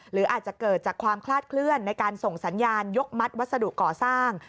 หรืออาจจะเกิดจากความคลาดเคลื่อนในการส่งสัญญาณยกมัดวัสดุก่อสร้าง